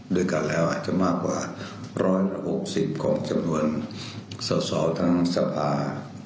ด้วยกันแล้วอาจจะมากกว่า๑๖๐ของจำนวนสอสอทั้งสภา